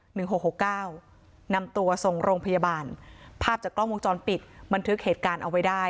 หกหกเก้านำตัวส่งโรงพยาบาลภาพจากกล้องวงจรปิดบันทึกเหตุการณ์เอาไว้ได้